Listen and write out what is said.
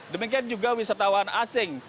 demikian juga wisatawan asing